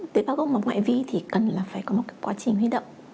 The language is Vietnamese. tế bảo gốc máu ngoại vi thì cần là phải có một cái quá trình huy động